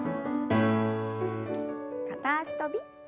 片脚跳び。